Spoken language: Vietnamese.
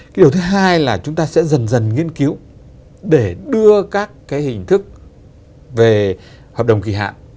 cái điều thứ hai là chúng ta sẽ dần dần nghiên cứu để đưa các cái hình thức về hợp đồng kỳ hạn